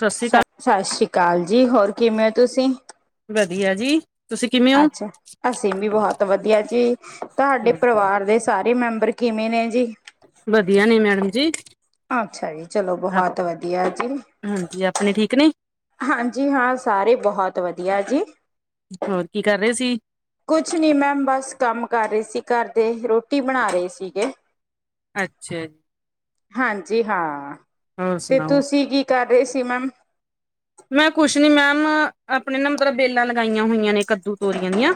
ਸਾਸਰੀ ਕਾਲ। ਸ਼ਾਸਰੀ ਕਾਲ ਜੀ ਹੋਰ ਕਿਵੇਂ ਓ ਤੁਸੀਂ। ਵਧੀਆ ਜੀ। ਤੁਸੀਂ ਕਿਵੇਂ ਹੋ? ਅੱਛਾ, ਅਸੀਂ ਵੀ ਬਹੁਤ ਵਧੀਆ ਜੀ ਤੁਹਾਡੇ ਪਰਿਵਾਰ ਦੇ ਸਾਰੇ ਮੈਂਬਰ ਕਿਵੇਂ ਨੇ ਜੀ? ਵਧੀਆ ਨੇ ਮੈਡਮ ਜੀ। ਅੱਛਾ ਜੀ। ਚਲੋ ਆਪ ਬਹੁਤ ਵਧੀਆ ਜੀ। ਹਾਂਜੀ ਆਪਣੇ ਠੀਕ ਨੇ, ਹਾਂਜੀ ਹਾਂ ਸਾਰੇ ਬਹੁਤ ਵਧੀਆ ਜੀ। ਹੋਰ ਕੀ ਕਰ ਰਹੇ ਸੀ? ਕੁਛ ਨੀ ਮੈਮ ਬਸ ਕੰਮ ਕਰ ਰਹੀ ਸੀ ਘਰ ਦੇ, ਰੋਟੀ ਬਣਾ ਰਹੀ ਸੀਗੇ। ਅੱਛਾ ਜੀ। ਹਾਂਜੀ ਹਾਂ। ਹੋਰ ਤੇ ਸੁਣਾਓ? ਤੁਸੀਂ ਕੀ ਕਰ ਰਹੇ ਸੀ ਮੈਮ? ਮੈਂ ਕੁੱਛ ਨੀ ਮੈਮ ਆਪਣੇ ਨਾ ਮਤਲਬ ਬੇਲਾਂ ਲਗਾਈਆਂ ਹੋਈਆਂ ਨੇ ਕੱਦੂ, ਤੋਰੀਆਂ ਦੀਆਂ।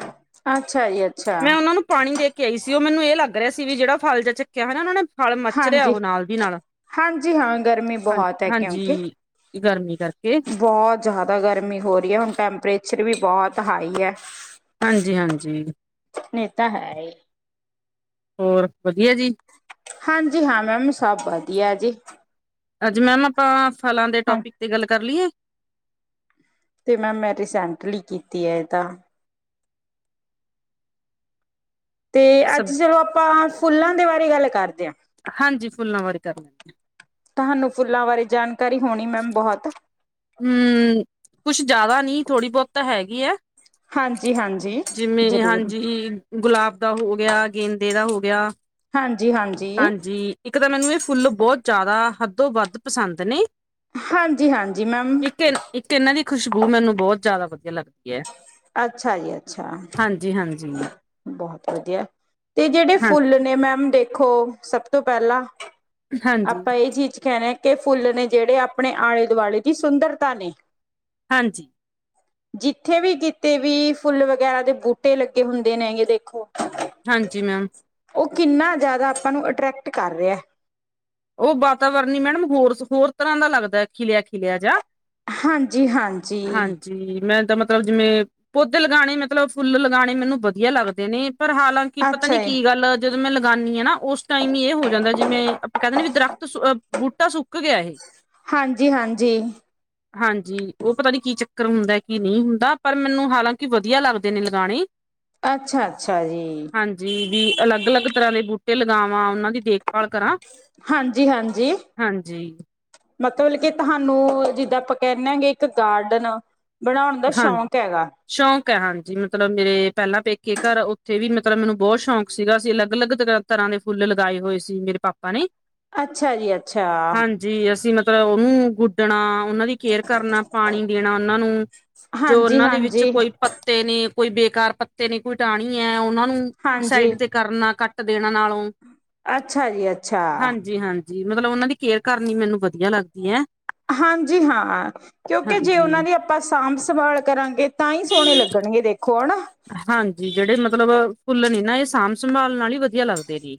ਅੱਛਾ ਜੀ ਅੱਛਾ ਮੈਂ ਓਨਾਂ ਨੂੰ ਪਾਣੀ ਦੇ ਕੇ ਆਈ ਸੀ ਉਹ ਮੈਨੂੰ ਇਹ ਲੱਗ ਰਿਹਾ ਸੀ ਵੀ ਜਿਹੜਾ ਫਲ ਜਿਆ ਚੱਕਿਆ ਹਨਾ ਉਹਨਾਂ ਨੇ ਫਲ ਮੱਚ ਰਿਹਾ ਹਾਂਜੀ ਓਹ ਨਾਲ ਦੀ ਨਾਲ। ਹਾਂਜੀ ਹਾਂ ਗਰਮੀ ਹਾਂ ਬਹੁਤ ਹੈ ਕਿਉਂਕਿ ਹਾਂਜੀ। ਗਰਮੀ ਕਰਕੇ। ਬਹੁਤ ਜ਼ਾਦਾ ਗਰਮੀ ਹੋ ਰ‌ਈ ਐ ਹੁਣ ਟੈਂਪਰੇਚਰ ਵੀ ਬਹੁਤ ਹਾਈ ਐ। ਹਾਂਜੀ-ਹਾਂਜੀ। ਏ ਤਾਂ ਹੈਈ। ਹੋਰ, ਵਧੀਆ ਜੀ। ਹਾਂਜੀ ਹਾਂ ਮੈਮ ਸਭ ਵਧੀਐ ਜੀ। ਅੱਜ ਮੈਮ ਆਪਾਂ ਫਲਾਂ ਦੇ ਹਾਂ ਟੋਪਿਕ ਤੇ ਗੱਲ ਕਰ ਲੀਏ? ਤੇ ਮੈਮ ਮੈਂ ਰੀਸੈਂਟਲੀ ਕੀਤੀ ਐ ਤਾਂ? ਤੇ ਅੱਜ ਸਬ ਚਲੋ ਆਪਾਂ ਫੁੱਲਾਂ ਦੇ ਬਾਰੇ ਗੱਲ ਕਰਦੇ ਆ। ਹਾਂਜੀ, ਫੁੱਲਾਂ ਬਾਰੇ ਕਰ ਲੈਂਦੇ ਆ। ਤੁਹਾਨੂੰ ਫੁੱਲਾਂ ਬਾਰੇ ਜਾਣਕਾਰੀ ਹੋਣੀ ਮੈਮ ਬੋਹਤ। ਹੂੰ ਕੁਛ ਜਾਦਾ ਨੀ ਥੋੜ੍ਹੀ ਬਹੁਤ ਤਾਂ ਹੈਗੀ ਏ। ਹਾਂਜੀ ਹਾਂਜੀ ਜਿਵੇਂ ਹੀ ਜ਼ਰੂਰ ਹਾਂਜੀ। ਗੁਲਾਬ ਦਾ ਹੋ ਗਿਆ, ਗੇਂਦੇ ਦਾ ਹੋ ਗਿਆ। ਹਾਂਜੀ- ਹਾਂਜੀ। ਹਾਂਜੀ। ਇੱਕ ਤਾਂ ਮੈਨੂੰ ਏ ਫੁੱਲ ਬੋਤ ਜ਼ਾਦਾ ਹੱਦੋ ਵੱਧ ਪਸੰਦ ਨੇ। ਹਾਂਜੀ- ਹਾਂਜੀ, ਮੈਮ। ਇੱਕ ਇਨ- ਇੱਕ ਤੇ ਐਨਾਂ ਦੀ ਖੁਸ਼ਬੂ ਮੈਨੂੰ ਬੋਤ ਜਾਦਾ ਵਧੀਆ ਲੱਗਦੀ ਐ। ਅੱਛਾ ਜੀ ਅੱਛਾ, ਹਾਂਜੀ ਬਹੁਤ ਵਧੀਆ। ਤੇ ਜਿਹੜੇ ਹਾਂ ਫੁੱਲ ਤੇ ਮੈਮ ਦੇਖੋ ਸਭ ਤੋਂ ਪਹਿਲਾਂ ਹਾਂਜੀ ਆਪਾਂ ਇਹ ਚੀਜ਼ ਕਹਿਣਾ ਕੇ ਫੁੱਲ ਨੇ ਜਿਹੜੇ ਆਪਣੇ ਆਲੇ-ਦੁਆਲੇ ਦੀ ਸੁੰਦਰਤਾ ਨੇ। ਹਾਂਜੀ। ਜਿੱਥੇ ਵੀ ਤੇ ਵੀ ਫੁੱਲ ਵਗੈਰਾ ਦੇ ਬੂਟੇ ਲੱਗੇ ਹੁੰਦੇ ਨੇ ਯੇ ਦੇਖੋ। ਹਾਂਜੀ, ਮੈਮ। ਓ ਕਿੰਨਾ ਜਾਦਾ ਆਪਾਂ ਨੂੰ ਅਟਰ੍ਰੈਕਟ ਕਾੱਰ ਰੇਆ। ਓ ਵਾਤਾਵਰਨ ਈ ਮੈਡਮ ਹੋਰ, ਹੋਰ ਤਰਾਂ ਦਾ ਲੱਗਦਾ ਐ। ਖਿਲੇਆ-ਖਿਲੇਆ ਜਾ ਹਾਂਜੀ, ਹਾਂਜੀ। ਜੀ ਮੈਂ ਤਾਂ ਮਤਲਬ ਜਿਵੇਂ ਪੋਧੇ ਲਗਾਣੇ ਮਤਲਬ ਫੁੱਲ ਲਗਾਣੇ ਮੈਨੂੰ ਵਦੀਆ ਲਾੱਗਦੇ ਨੇ। ਪਰ ਹਾਲਾਂ ਕਿ ਪਤਾ ਨੀ ਅੱਛਾ ਜੀ ਕੀ ਗਾੱਲ ਜਦੋਂ ਮੈਂ ਲਗਾਨੀ ਆਂ ਨਾ ਓਸ ਟਾਈਮ ਈ ਏ ਹੋ ਜਾਂਦਾ ਜਿਵੇਂ ਆਪਾਂ ਕੈਦਿਨੇ ਵੀ ਦਰ [unintelligible] ਬੂਟਾ ਸੁੱਕ ਗੇਆ ਏਹੇ ਹਾਂਜੀ, ਹਾਂਜੀ। ਹਾਂਜੀ, ਓ ਪਤਾ ਨੀ ਕੀ ਚੱਕਰ ਹੁੰਦਾ ਕੀ ਨੀ ਹੁੰਦਾ ਪਰ ਮੈਨੂੰ ਹਾਲਾਂਕਿ ਵਦੀਆ ਲਾੱਗਦੇ ਨੇ ਲਗਾਣੇ ਅੱਛਾ, ਅੱਛਾ ਜੀ। ਜੀ, ਜੀ ਅਲਾੱਗ-ਅਲਾੱਗ ਤਰਾਂ ਦੇ ਬੂਟੇ ਲਗਾਵਾਂ ਓਨਾਂ ਦੀ ਦੇਖਭਾਲ ਕਰਾਂ ਹਾਂਜੀ, ਹਾਂਜੀ। ਹਾਂਜੀ। ਮਤਲਬ ਕਿ ਤਹਾਨੂੰ ਜਿੱਦਾਂ ਆਪਾਂ ਕੈਨੇ ਆਂ ਗੇ ਇੱਕ ਗਾਡਨ। ਬਣੋਣ ਦਾ ਹਾਂ ਸ਼ੌਕ ਹੈਗਾ। ਸ਼ੌਕ ਐ ਹਾਂਜੀ, ਮਤਲਬ ਮੇਰੇ ਪੈਲਾਂ ਪੇਕੇ ਘਰ ਓਥੇ ਵੀ ਮਤਲਬ ਮੈਨੂੰ ਬੋਤ ਸ਼ੌਕ ਸੀਗਾ ਅਸੀ ਅਲੱਗ-ਅਲੱਗ ਤਰਾਂ ਤਰਾੰ ਦੇ ਫੁੱਲ ਲਗਾਏ ਹੋਏ ਸੀ ਮੇਰੇ ਪਾਪਾ ਨੇ। ਅੱਛਾ ਜੀ, ਅੱਛਾ। ਜੀ ਅਸੀ ਮਤਲਬ ਉਨੂੰ ਗੁੱਡਣਾ, ਓਨਾਂ ਦੀ ਕੇਅਰ ਕਰਨਾ, ਪਾਣੀ ਦੇਣਾ ਓਨਾਂ ਨੂੰ ਜੋ ਹਾਂਜੀ ਓਨਾਂ ਦੇ ਵਿੱਚ ਹਾਂਜੀ ਕੋਈ ਪੱਤੇ ਨੇ ਕੋਈ ਬੇਕਾਰ ਪੱਤੇ ਨੇ ਕੋਈ ਟਾਣੀ ਐ ਓਨਾਂ ਨੂੰ ਹਾਂਜੀ ਸਾਈਡ ਤੇ ਕਰਨਾ ਕਾੱਟ ਦੇਣਾ ਨਾਲੋਂ, ਅੱਛਾ ਜੀ ਅੱਛਾ ਹਾਂਜੀ-ਹਾਂਜੀ। ਜੇ ਮਤਲਬ ਓਨਾ ਦੀ ਕੇਅਰ ਕਾਰਨੀ ਮੈਨੂੰ ਵਦੀਆ ਲਾੱਗਦੀ ਐ। ਹਾਂਜੀ ਹਾਂ, ਕਯੋਂਕਿ ਜੇ ਓਨਾਂ ਹਾਂਜੀ ਦੀ ਅਪ ਆਪਾ ਸਾਂਮ ਸੰਭਾਲ ਕਰਾਂਗੇ ਤਾਂ ਈ ਸੋਣੇ ਲੱਗਣਗੇ ਦੇਖੋ ਹਨਾ। ਹਾਂਜੀ, ਜੇੜੇ ਮਤਲਬ ਫੁੱਲ ਨੇ ਨਾ ਏ ਸਾਂਮ ਸੰਭਾਲ ਨਾਲ ਈ ਵਦੀਆ ਲਾੱਗਦੇ ਨੇ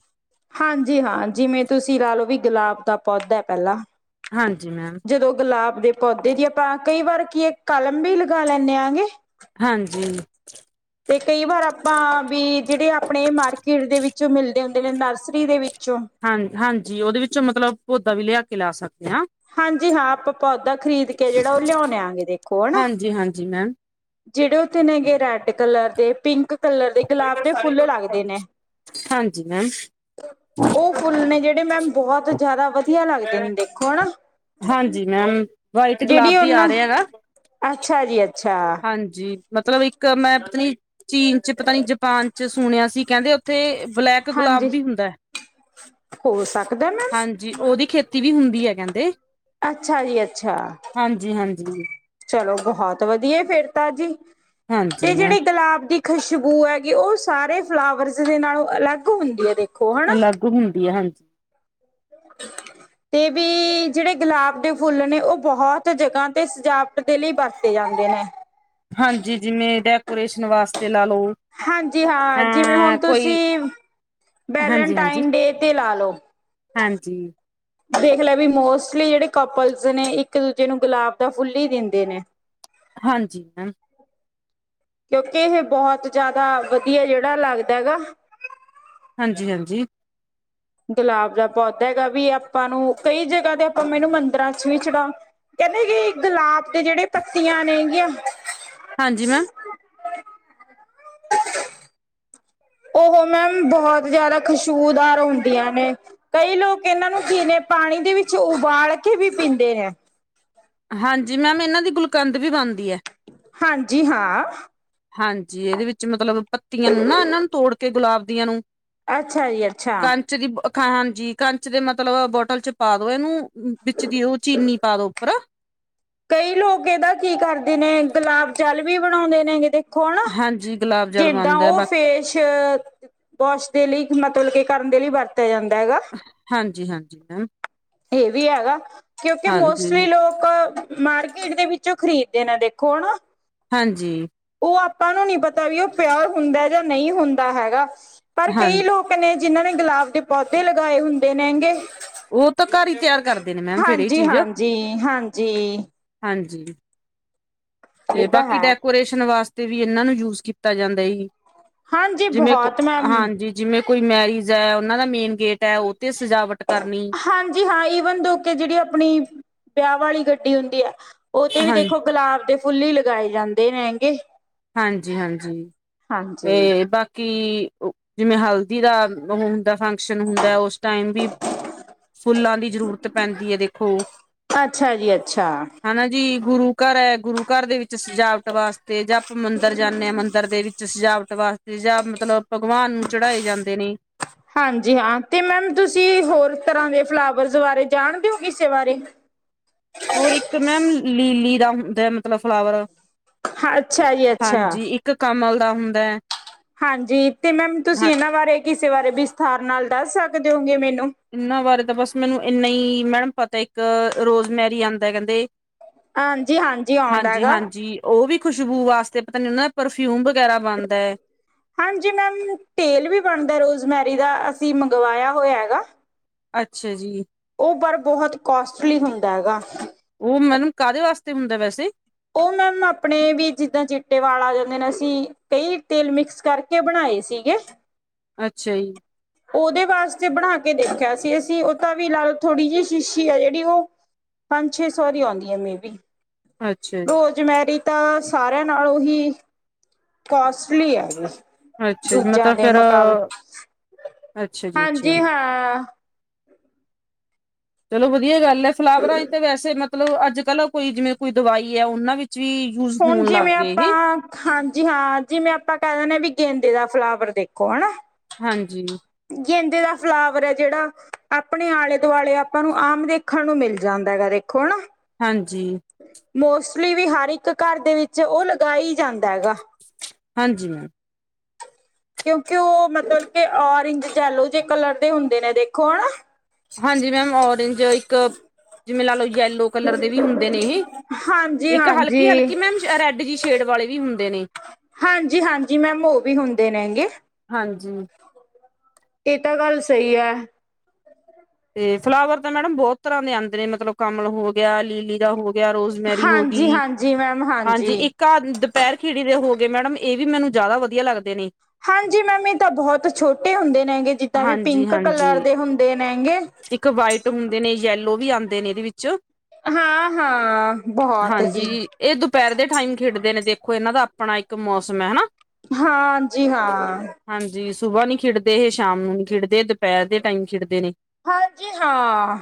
ਹਾਂਜੀ ਹਾਂ, ਜਿਵੇਂ ਤੁਸੀਂ ਲਾਲੋ ਵੀ ਗੁਲਾਬ ਦਾ ਪੋਦਾ ਐ ਪੈਲਾ। ਹਾਂਜੀ, ਮੈਮ। ਜਦੋ ਗੁਲਾਬ ਦੇ ਪੋਦੇ ਦੀ ਆਪਾ ਕਈ ਵਾਰ ਕੀ ਏਕ ਕਲਮ ਵੀ ਲਗਾ ਲੈਨੇ ਆਂ ਗੇ। ਹਾਂਜੀ। ਤੇ ਕਈ ਵਾਰ ਆਪਾਂ ਬੀ ਜੇੜੇ ਆਪਣੇ ਮਾਰਕੀਟ ਦੇ ਵਿੱਚ ਮਿਲਦੇ ਹੁੰਦੇ ਨੇ ਨਾਰਸਰੀ ਦੇ ਵਿੱਚੋਂ ਹਾਂ ਹਾਂਜੀ, ਓਦੇ ਵਿੱਚੋਂ ਮਤਲਬ ਪੋਦਾ ਵੀ ਲੇਆ ਕੇ ਲਾ ਸਕਦੇ ਆਂ। ਹਾਂਜੀ ਹਾਂ, ਆਪਾ‌ ਪੋਦਾ ਖਰੀਦ ਕੇ ਜੇੜਾ ਓ ਲੇਯੋਲਾਂਗੇ ਦੇਖੋ ਹਨਾ। ਜੀ ਹਾਂਜੀ, ਮੈਮ ਜੇੜੇ ਓਥੇ ਨੇਗੇ ਰੈਡ ਕਲਰ ਦੇ, ਪਿੰਕ ਕਲਰ ਦੇ, ਗਲਾਬ ਦੇ ਫੁੱਲ ਲਾੱਗਦੇ ਨੇ। ਹਾਂਜੀ ਮੈਮ ਓ ਫੁੱਲ ਨੇ ਜੇੜੇ ਮੈ ਬੋਹਤ ਜਾਦਾ ਵਦੀਆ ਲਾੱਗਦੇ ਨੇ ਦੇਖੋ ਹਣਾ। ਹਾਂਜੀ ਮੈਮ, ਵਾਈਟ ਗਲਾਬੀ ਆ ਉਹਨਾਂ ਰੇਆ ਨਾ। ਅੱਛਾ ਜੀ, ਅੱਛਾ। ਹਾਂਜੀ। ਮਤਲਬ ਇੱਕ ਮੈਂ ਪਤਾ ਨੀ ਚੀਨ ਚ ਪਤਾ ਨੀ ਜਪਾਨ ਚ ਸੁਣੇਆ ਸੀ ਕੈਂਦੇ ਤੇ ਬਲੈਕ ਗੁਲਾਬ ਹਾਂਜੀ ਵੀ ਹੁੰਦਾ ਐ। ਹੋ ਸਕਦਾ ਮੈਮ ਹਾਂਜੀ, ਓਦੀ ਖੇਤੀ ਵੀ ਹੁੰਦੀ ਐ ਕੈਂਦੇ ਅੱਛਾ ਜੀ, ਅੱਛਾ। ਹਾਂਜੀ ਚਲੋ ਬੋਹਤ ਵਦੀਆ ਫੇਰ ਤਾ ਜੀ, ਹਾਂਜੀ ਤੇ ਮੈਮ ਜੇੜੀ ਗਲਾਬ ਦੀ ਖਸ਼ਬੂ ਹੈਗੀ ਓ ਸਾਰੇ ਫਲਾਵਰਸ ਦੇ ਨਾਲੋਂ ਅਲੱਗ ਹੁੰਦੀ ਐ ਦੇ ਅਲੱਗ ਹੁੰਦੀ ਐ, ਹਾਂਜੀ। [inaudible] ਤੇ ਵੀ ਜੇੜੇ ਗਲਾਬ ਦੇ ਫੁੱਲ ਨੇ ਓ ਬੋਹਜ ਜਗਾ ਤੇ ਸਜਾਵਟ ਦੇ ਲਈ ਵਰਤੇ ਜਾਂਦੇ ਨੇ। ਹਾਂਜੀ, ਜਿਵੇਂ ਡੈਕੋਰੇਸ਼ਨ ਵਾਸਤੇ ਲਾਲੋ। ਹਾਂਜੀ ਹਾਂ ਜਿਵੇਂ ਹੁਣ ਤੁਸੀਂ- ਹਾਂਜੀ ਹਾਂਜੀ ਵੈਲੇਨਟਾਈਨ ਡੇ ਤੇ ਲਾ ਲਓ। ਹਾਂਜੀ ਦੇਖ ਲੈ ਵੀ ਮੋਸਟਲੀ ਜਿਹੜੇ ਕਪਲਸ ਨੇ ਇੱਕ ਦੂਜੇ ਨੂੰ ਗੁਲਾਬ ਦਾ ਫੁੱਲ ਹੀ ਦਿੰਦੇ ਨੇ ਹਾਂਜੀ ਹ। ਕਿਉਂਕਿ ਏਹ ਬਹੁਤ ਜਆਦਾ ਵਧੀਆ ਜੇਹੜਾ ਲੱਗਦਾ ਹੈਗਾ। ਹਾਂਜੀ- ਹਾਂਜੀ। ਗੁਲਾਬ ਦਾ ਪੌਦਾ ਹੈਗਾ ਵੀ ਆਪਾਂ ਨੂੰ ਕਈ ਜਗ੍ਹਾ ਤੇ ਆਪਾਂ ਏਨੂੰ ਮੰਦਾਰਾਂ ਚ ਵੀ ਚੜਾ ਕਹਿੰਦੇ ਕਿ ਗੁਲਾਬ ਦੇ ਜੇਹੜੇ ਪੱਤੀਆਂ ਨੇ ਗੀਆਂ। ਹਾਂਜੀ ਮੈਂ ਉਹ ਮੈਮ ਬਹੁਤ ਜਿਆਦਾ ਖੁਸ਼ਬੂਦਾਰ ਹੁੰਦੀਆਂ ਨੇ ਕਈ ਲੋਕ ਏਹਨਾਂ ਨੂੰ ਦਿਨੇ ਪਾਣੀ ਦੇ ਵਿੱਚ ਉਬਾਲ ਕੇ ਵੀ ਪੀਂਦੇ ਨੇ। ਹਾਂਜੀ ਮੈਮ ਇਹਨਾਂ ਦੀ ਗੁਲਕੰਦ ਵੀ ਬਣਦੀ ਹੈ- ਹਾਂਜੀ ਹਾਂ। ਹਾਂਜੀ ਇਹਦੇ ਵਿੱਚ ਮਤਲਬ ਪੱਤੀਆਂ ਨੂੰ ਨਾ ਇਹਨਾਂ ਨੂੰ ਤੋੜ ਕੇ ਗੁਲਾਬ ਦੀਆਂ ਨੂੰ- ਅੱਛਾ ਜੀ ਅੱਛਾ ਕੰਚ ਦੀ ਖੰ ਹਾਂਜੀ ਕੰਚ ਦੇ ਮਤਲਬ ਅ ਬੋਟਲ ਚ ਪਾ ਦੋ ਏਨੂੰ ਵਿੱਚ ਦੀ ਓ ਚੀਨੀ ਪਾ ਦੋ। ਪਰਾ। ਕਈ ਲੋਕ ਇਹਦਾ ਕੀ ਕਰਦੇ ਨੇ, ਗੁਲਾਬ ਜਲ ਵੀ ਬਣਾਉਂਦੇ ਨੇ, ਹੋ ਨਾ ਹਾਂਜੀ ਗੁਲਾਬ ਜਲ ਜਿੱਦਾਂ ਬਣਦਾ ਉਹ ਬਾਕੀ ਫੇਸ ਵਾਸ਼ ਦੇ ਲਈ ਮੱਤਲਬ ਕਿ ਕਰਨ ਦੇ ਲਈ ਵਰਤਿਆਂ ਜਾਂਦਾਂ ਹੈਗਾ। ਹਾਂਜੀ ਹਾਂਜੀ ਮੈਮ। ਇਹ ਵੀ ਹੈਗਾ। ਕਿਉਂਕਿ ਹਾਂਜੀ ਮੋਸਟਲੀ ਲੋਕ। ਮਾਰਕੀਟ ਦੇ ਵਿੱਚੋਂ ਖ਼ਰੀਦਦੇ ਨੇਂ ਦੇਖੋਂ ਹਨਾ। ਹਾਂਜੀ। ਉਹ ਆਪਾਂ ਨੂੰ ਨਹੀਂ ਪਤਾ ਵਈ ਉਹ ਪਿਉਰ ਹੁੰਦਾ ਜਾ ਨਹੀ ਹੁੰਦਾ ਹੈਗਾ ਪਰ ਹਾਂ ਕਈ ਲੋਕ ਨੇ ਜਿਨ੍ਹਾਂ ਨੇ ਗੁਲਾਬ ਦੇ ਪੌਦੇ ਲਗਾਏ ਹੁੰਦੇ ਨੇ ਹੈਗੇ। ਉਹ ਤਾਂ ਘਰ ਹੀ ਤਿਆਰ ਕਰਦੇ ਨੇ ਮੈਮ ਫੇਰ ਇਹ ਚੀਜ਼ ਹਾਂਜੀ-ਹਾਂਜੀ, ਹਾਂਜੀ। ਹਾਂਜੀ ਹਾਂਜੀ। ਇਹ ਤੇ ਤਾਂ ਬਾਕੀ, ਹੈ। ਡੈਕੋਰੇਸ਼ਨ ਵਾਸਤੇ ਵੀ ਇਹਨਾਂ ਨੂੰ ਯੂਸ ਕੀਤਾ ਜਾਂਦਾ ਇਹੀ ਹਾਂਜੀ ਜਿਵੇਂ, ਕੋ ਬਹੁਤ ਮੈਮ ਹਾਂਜੀ। ਜਿਵੇਂ ਕੋਈ ਮੈਰਿਜ ਹੈ ਉਹਨਾਂ ਦਾ ਮੇਨ ਗੇਟ ਹੈ ਉਥੇ ਸਜਾਵਟ ਕਰਨੀ। ਹਾਂਜੀ ਹਾਂ। ਈਵਨ ਤੋਂ ਅੱਗੇ ਜਿਹੜੀ ਆਪਣੀਂ ਵਿਆਹ ਵਾਲ਼ੀ ਗੱਡੀ ਹੁੰਦੀਂ ਹੈਂ। ਓ ਤੇ ਵੀ ਹਾਂ ਦੇਖੋ ਗੁਲਾਬ ਦੇ ਫੁੱਲ ਈ ਲਗਾਏ ਜਾਂਦੇ ਨੇ ਐਂਗੇ। ਹਾਂਜੀ ਹਾਂਜੀ, ਤੇ ਬਾਕੀ ਕਿ ਜਿਵੇਂ ਹਲਦੀ ਦਾ ਉਹ ਹੁੰਦਾਂ ਫੰਕਸ਼ਨ ਹੁੰਦਾਂ ਉਸ ਟਾਇਮ ਵੀ। ਫੁੱਲਾਂ ਦੀ ਜ਼ਰੂਰਤ ਪੈਂਦੀ ਹੈਂ ਦੇਖੋਂ ਅੱਛਾ ਜੀ ਅੱਛਾ। ਹਨਾ ਜੀ ਗੁਰੂ ਘਰ ਐ ਗੁਰੂ ਘਰ ਦੇ ਵਿੱਚ ਸਜਾਵਟ ਵਾਸਤੇ ਜਾਂ ਆਪਾਂ ਮੰਦਰ ਜਾਨੇ ਆਂ ਮੰਦਰ ਦੇ ਵਿੱਚ। ਸਜਾਵਟ ਵਾਸਤੇ ਜਾਂ ਮਤਲਬ ਭਗਵਾਨ ਨੂੰ ਚੜਾਏ ਜਾਂਦੇ ਨੇ। ਹਾਂਜੀ ਹਾਂ ਤੇ ਮੈਮ ਤੁਸੀਂ ਹੋਰ ਤਰ੍ਹਾਂ ਦੇ ਫਲਾਵਰਸ ਬਾਰੇ ਜਾਂਣਦੇ ਹੋ ਕਿਸ਼ੇ ਬਾਰੇ। ਹੋਰ ਇੱਕ ਮੈਮ, ਲੀ ਲੀਰਾਂ ਦੇ ਮਤਲਬ ਫਲਾਵਰ ਅੱਛਾ ਜੀ ਅੱਛਾ ਹਾਂਜੀ, ਇੱਕ ਕਮਲ ਦਾ ਹੁੰਦਾ ਹੈ। ਹਾਂਜੀ, ਤੇ ਮੈਮ ਤੁਸੀਂ ਹਾਂ ਇਹਨਾਂ ਬਾਰੇ ਕਿਸੇ ਬਾਰੇ ਵਿਸਥਾਰ ਨਾਲ ਦੱਸ ਸਕਦੇ ਹੋਗੇ ਮੈਨੂੰ। ਇਹਨਾਂ ਬਾਰੇ ਤਾਂ ਬਸ ਮੈਨੂੰ ਇੰਨਾ ਹੀ ਮੈਡਮ ਪਤਾ, ਇੱਕ ਰੋਜ਼ਮੈਰੀ ਆਉਂਦਾ ਕਹਿੰਦੇ ਹਾਂਜੀ ਹਾਂਜੀ ਆਉਂਦਾ ਹਾਂਜੀ ਹੈਗਾ ਹਾਂਜੀ। ਉਹ ਵੀ ਖੁਸ਼ਬੂ ਵਾਸਤੇ, ਪਤਾ ਨਈ ਉਨਾਂ ਪਰਫਿਊਮ, ਵਗੈਰਾ ਬਣਦਾ ਏ ਹਾਂਜੀ ਮੈਮ, ਤੇਲ ਵੀ ਬਣਦਾ ਰੋਜ਼ਮੈਰੀ ਦਾ ਅਸੀਂ ਮੰਗਵਾਇਆ ਹੋਇਆ ਹੈਗਾ। ਅੱਛਾ ਜੀ। ਓ ਪਰ ਬੋਹਤ ਕੋਸਟਲੀ ਹੁੰਦੈ ਗਾ। ਓ ਮਨੂੰ ਕਾਦੇ ਵਾਸਤੇ ਹੁੰਦਾ ਵੈਸੇ? ਉਹ ਮੈਮ ਆਪਣੇ ਵੀ ਜਿੱਦਾਂ ਚਿੱਟੇ ਵਾਲ ਆ ਜਾਂਦੇ ਨੇ ਅਸੀਂ, ਕਈ ਤੇਲ ਮਿਕਸ ਕਰਕੇ ਕੇ ਬਣਾਏ ਸੀਗੇ? ਅੱਛਾ ਜੀ। ਉਹਦੇ ਵਾਸਤੇ ਬਣਾ ਕੇ ਦੇਖਿਆ ਸੀ ਅਸੀਂ, ਉਹ ਤਾਂ ਵੀ ਲ ਥੋੜੀ ਜਿਹੀ ਸ਼ੀਸ਼ੀ ਆ ਜਿਹੜੀ ਉਹ ਪੰਜ ਛੇ ਸੌ ਦੀ ਆਉਂਦੀ ਹੈ ਮੇ ਬੀ। ਅੱਛਿਆ ਜੀ। ਰੋਸਮੈਰੀ ਤਾਂ ਸਾਰਿਆਂ ਨਾਲੋਂ ਹੀ, ਕੋਸਟਲੀ ਹੈਂ। ਅੱਛਾ ਜੀ ਦੂਜੇਆਂ ਮਤਲਬ ਦੇ ਫੇਰ ਮੁਕਾਬਲੇ। ਅੱਛਾ ਜੀ ਅੱਛਾ। ਹਾਂਜੀ, ਹਾਂ। ਚਲੋ ਵਦੀਆ ਗੱਲ ਐ ਫਲਾਵਰਾਂ ਚ ਤੇ ਵੈਸੇ ਮਤਲਬ ਅੱਜ-ਕੱਲ ਕੋਈ ਜਿਵੇਂ ਕੋਈ ਦਵਾਈ ਐ ਓਨਾਂ ਵਿੱਚ ਵੀ। ਯੂਜ ਹੁਣ ਹੋਣ ਲੱਗ ਜਿਵੇਂ, ਗਏ ਇਹ ਆਪਾਂ ਹਾਂਜੀ ਹਾਂ ਜਿਵੇਂ ਆਪਾਂ ਕਹਿ ਦਿੰਨੇ ਵੀ ਗੇਂਦੇ ਦਾ ਫਲਾਵਰ ਦੇਖੋਂ, ਹਨਾ। ਹਾਂਜੀ। ਗੇਂਦੇ ਦਾ ਫਲਾਵਰ ਏ ਜੇੜਾ, ਆਪਣੇ ਆਲੇ-ਦੁਆਲੇ ਆਪਾਂ ਨੂੰ ਆਮ ਦੇ ਅੱਖਾਂ ਨੂੰ ਮਿਲ ਜਾਂਦਾ ਏ ਦੇਖੋ ਹੈ ਨਾ ਹਾਂਜੀ। ਮੋਸਟਲੀ ਵੀ ਹਰ ਇੱਕ ਘਰ ਦੇ ਵਿੱਚ ਉਹ ਲਗਾ ਹੀ ਜਾਂਦਾਂ ਹੈਗਾ। ਹਾਂਜੀ ਮੈਮ। [inaudible] ਕਿਉਂਕਿ ਓ ਮਤਬਲ ਕਿ ਔਰੇਂਜ ਜੈਲੋ ਜੇ ਕਲਰ ਦੇ ਹੁੰਦੇ ਨੇ ਦੇਖੋ ਹਣਾ। ਹਾਂਜੀ ਮੈਮ ਓਰੇਂਜ। ਇੱਕ ਜਿਵੇਂ ਲਾ ਲਓ ਯੈਲੋ ਕਲਰ ਦੇ ਵੀ ਹੁੰਦੇ ਨੇਂ ਇਹ ਹਾਂਜੀ ਇੱਕ ਹਾਂਜੀ ਹਲਕੀ ਹਲਕੀ ਮੈਮ ਰੈੱਡ ਜੀ ਸ਼ੇਡ ਵਾਲ਼ੇ ਵੀ ਹੁੰਦੇ ਨੇਂ। ਹਾਂਜੀ-ਹਾਂਜੀ ਮੈਮ ਓ ਵੀ ਹੁੰਦੇ ਨੇਗੇ। ਹਾਂਜੀ। ਏ ਤਾਂ ਗੱਲ ਸਈ ਐ। ਤੇ ਫਲਾਵਰ ਤਾਂ ਮੈਡਮ ਬਹੁਤ ਤਰ੍ਹਾਂ ਦੇ ਆਉਂਦੇ ਨੇ, ਮਤਲਬ ਕਮਲ ਹੋ ਗਿਆ ਲੀਲੀ ਦਾ ਹੋਗਿਆ। ਤੇ ਆਹ ਰੋਜ਼ਮੈਰੀ ਹੋ ਹਾਂਜੀ ਗਈ। ਹਾਂਜੀ ਮੈਮ ਹਾਂਜੀ, ਇੱਕ ਘਰ ਦੁਪਹਿਰ ਖਿੜੀ ਦੇ ਹੋ ਗਏ, ਮੈਡਮ ਇਹ ਵੀ ਮੈਨੂੰ ਜ਼ਿਆਦਾ ਵਧੀਆ ਲੱਗਦੇ ਨੇ, ਹਾਂਜੀ ਮੈਮ, ਇਹ ਤਾਂ ਬਹੁਤ ਛੋਟੇ ਹੁੰਦੇ ਨੇ ਹੈਗੇ, ਜਿੱਦਾਂ ਵੀ ਪਿੰਕ ਹਾਂਜੀ-ਹਾਂਜੀ ਕਲਰ ਦੇ ਹੁੰਦੇ ਨੇ ਹੈਂਗੇ। ਇੱਕ ਵਾਈਟ ਹੁੰਦੇ ਨੇ ਯੈਲੋ ਵੀ ਆਉਂਦੇ ਨੇ ਇਹਦੇ ਵਿੱਚ। ਹਾਂ-ਹਾਂ, ਬੋਹਤ ਹਾਂਜੀ ਜੀ। ਇਹ ਦੁਪਹਿਰ ਦੇ ਟਾਈਮ ਖਿੜਦੇ ਨੇ, ਦੇਖੋ ਇਹਨਾਂ ਦਾ ਆਪਣਾ ਇੱਕ ਮੌਸਮ ਹੈ ਹਨਾ। ਹਾਂ, ਜੀ, ਹਾਂ। ਹਾਂਜੀ ਸੁਬਾ ਨੀ ਖਿਡਦੇ ਏਹ ਸ਼ਾਮ ਨੂੰ ਨੀ ਖਿਡਦੇ ਏ ਦੁਪੈਰ ਦੇ ਟਾਈਮ ਖਿਡਦੇ ਨੇ। ਹਾਂਜੀ ਹਾਂ।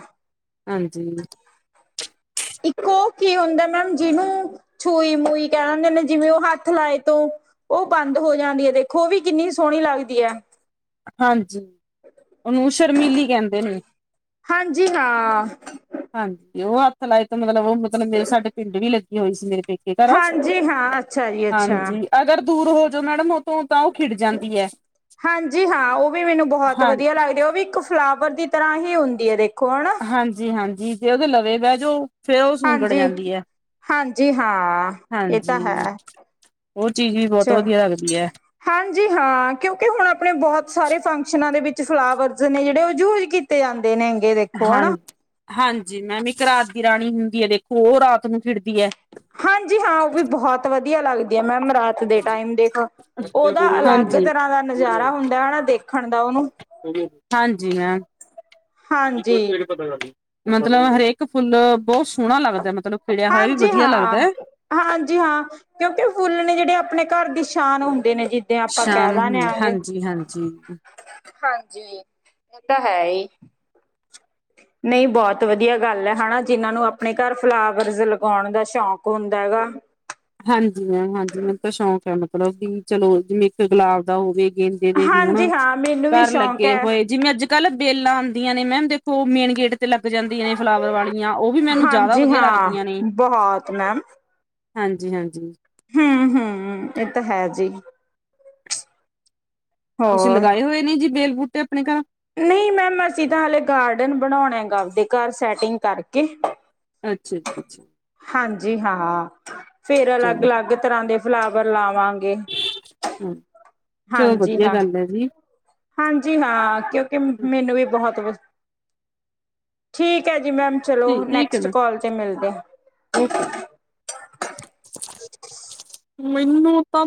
ਹਾਂਜੀ। ਇੱਕ ਓ ਕੀ ਹੁੰਦਾ ਮੈਮ ਜੀਨੂੰ ਛੂਈ-ਮੂਈ ਕੈਅ ਦਿੰਦੇ ਨੇ। ਜਿਵੇਂ ਓ ਹੱਥ ਲਾਏ ਤੋਂ ਉਹ ਬੰਦ ਹੋ ਜਾਂਣੀ ਹੈ ਦੇਖੋ, ਓ ਵੀ ਕਿੰਨੀ ਸੋਹਣੀ ਲੱਗਦੀ ਐ ਹਾਂਜੀ। ਓਨੂੰ ਸ਼ਰਮੀਲੀ ਕਹਿੰਦੇ ਨੇ। ਹਾਂਜੀ ਹਾਂ, ਹਾਂਜੀ, ਓ ਹੱਥ ਲਾਏ ਤੇ ਮਤਲਬ ਓ ਮਤਲਬ ਮੇਰੇ ਸਾਡੇ ਪਿੰਡ ਵੀ ਲੱਗੀ ਹੋਈ ਸੀ, ਮੇਰੇ ਪੇਕੇ। ਘਰ ਹਾਂਜੀ ਹਾਂ, ਅੱਛਾ ਜੀ ਅੱਛਾ। ਹਾਂਜੀ ਅਗਰ ਦੂਰ ਹੋ ਜੋ ਮੈਡਮ ਓ ਤੋਂ ਤਾਂ ਓ ਖਿੜ ਜਾਂਦੀ ਐ। ਹਾਂਜੀ ਹਾਂ, ਓ ਵੀ ਮੈਨੂੰ ਬਹੁਤ ਹਾਂ ਵਧੀਆ ਲੱਗਦੀ, ਓ ਵੀ ਇੱਕ ਫਲਾਵਰ ਦੀ ਤਰ੍ਹਾਂ ਹੀ ਹੁੰਦੀਂ ਏ ਦੇਖੋ, ਹਣਾ? ਹਾਂਜੀ-ਹਾਂਜੀ ਤੇ ਓਦੇ ਲਵੇਗਾ ਜੋ ਫੇਰ ਓ ਸੁੰਗੜ ਹਾਂਜੀ, ਜਾਂਦੀ ਐ, ਹਾਂਜੀ ਹਾਂ ਇਹ ਤਾਂ ਹਾਂਜੀ। ਹੈ ਓ ਚੀਜ਼ ਵੀ ਬੋਤ ਚਲੋ। ਵਦੀਆ ਲੱਗਦੀ ਐ। ਹਾਂਜੀ ਹਾਂ ਕਿਉਂਕਿ ਹੁਣ ਆਪਣੇਂ ਬੋਤ ਸਾਰੇ ਫੰਕਸ਼ਨਾਂ ਦੇ ਵਿੱਚ ਫਲਾਵਰਸ ਨੇ ਜੇੜੇ ਓ ਯੂਜ ਕੀਤੇ ਜਾਂਦੇਂ। ਤੇ ਨੇ ਗੇ ਦੇ ਹਾਂ ਹਾਂਜੀ, ਮੈਮ ਇੱਕ ਰਾਤ ਦੀ ਰਾਣੀ ਹੁੰਦੀ ਹੈ, ਦੇਖੋ ਉਹ ਰਾਤ ਨੂੰ ਖ਼ਿੜਦੀ ਐ। ਹਾਂਜੀ ਹਾਂ, ਓ ਵੀ ਬੋਹਤ ਵਦੀਆ ਲੱਗਦੀ ਆ ਮੈਮ ਰਾਤ ਦੇ ਟਾਈਮ ਦੇਖ ਓਦਾ ਅਲੱਗ ਹਾਂਜੀ ਤਰ੍ਹਾਂ ਦਾ ਨਜ਼ਾਰਾ ਹੁੰਦਾਂ ਐ ਨਾ ਦੇਖਣ ਦਾ ਓਨੂੰ। ਹਾਂਜੀ ਮੈਮ ਮਤਲਬ ਹਰੇਕ ਫੁੱਲ ਬੋਹ ਸੋਹਣਾ ਲੱਗਦਾ ਮਤ ਹਾਂਜੀ, ਹਾਂ ਹਾਂ ਹਾਂਜੀ ਹਾਂ, ਕਿਉਂਕਿ ਫੁੱਲ ਨੇ ਜੇੜੇ ਆਪਣੇ ਘਰ ਦੀ ਸ਼ਾਨ ਹੁੰਦੇ ਨੇ ਜੀ। ਸ਼ਾਨ ਹੂ ਹਾਂਜੀ -ਹਾਂਜੀ ਹਾਂਜੀ ਏਹ ਤਾਂ ਹੈ ਈ। ਨਈ ਬੋਤ ਵਧੀਆਂ ਗੱਲ ਐ, ਹਨਾ ਜਿਨਾਂ ਨੂੰ ਆਪਣੇਂ ਘਰ ਫਲਾਵਰਸ ਲਗਾਉਣ ਦਾ ਸ਼ੌਕ ਹੁੰਦਾਂ ਹੈਗਾ। ਹਾਂਜੀ ਮੈਮ ਹਾਂਜੀ, ਮੈਨੂੰ ਤਾਂ ਸ਼ੌਂਕ ਐ ਮਤਲਬ ਵੀ ਚੱਲੋ ਜਿਵੇਂ ਇੱਕ ਗੁਲਾਬ ਦਾ ਹੋਵੇ ਗੇਂਦ [unintelligible] ਹਣਾ, ਹਾਂਜੀ ਹਾਂ ਮੈਨੂੰ ਵੀ ਘਰ ਸ਼ੌਕ ਲੱਗੇਂ ਹੈ ਹੋਏ, ਜਿਵੇਂ ਅੱਜ਼-ਕੱਲ੍ਹ ਵੇਲਾਂ ਆਦੀਆਂ ਨੇਂ ਮੈਮ ਦੇਖੋਂ ਮੇਨ ਗੇਟ ਤੇ ਲੱਗ ਜਾਂਦੀਆਂ ਨੇਂ ਫਲਾਵਰ ਵਾਲ਼ੀਆਂ, ਓ ਵੀ ਮੈਂਨੂੰ ਜਾਦਾ ਵਧੀਆਂ ਲੱਗਦੀਆਂ ਨੇਂ। ਬੋਹੋਤ ਮੈਮ। ਹਾਂਜੀ -ਹਾਂਜੀ। ਹਾਂ-ਹਾਂ, ਏ ਤਾਂ ਹੈ ਜੀ। ਤੁਸੀਂ ਹੋਰ ਲਗਾਏ ਹੋਏ ਨੇ ਜੀ, ਬੇਲ ਬੂਟੇ ਆਪਣੇ ਘਰ? ਨਹੀਂ ਮੈਮ ਅਸੀਂ ਤਾਂ ਹਾਲੇ ਗਾਰਡਨ ਬਣਾਉਣਾ ਹੈਗਾ ਆਪਦੇ ਘਰ ਸੈਟਿੰਗ ਕਰਕੇ ਅੱਛਾ- ਅੱਛਾ ਹਾਂਜੀ ਹਾਂ, ਫੇਰ ਚਲੋ ਅਲੱਗ-ਅਲੱਗ ਤਰ੍ਹਾਂ ਦੇ ਫਲਾਵਰ ਲਾਵਾਂ ਗੇ, ਹਾਂ ਚਲੋ ਹਾਂਜੀ ਵਧੀਆ ਹਾਂ। ਗੱਲ ਹੈ ਜੀ ਹਾਂਜੀ ਹਾਂ, ਕਿਉਂਕਿ ਮੈਨੂੰ ਵੀ ਬੋਹਤ ਪਸ ਠੀਕ ਏ ਜੀ ਮੈਮ। ਚਲੋ ਠੀਕ ਠੀਕ ਹੈ ਨੈਕਸਟ ਮੈਮ ਕੋਲ 'ਤੇ ਮਿਲਦੇ। [inaudible] [inaudible] ਮੈਨੂੰ ਤਾਂ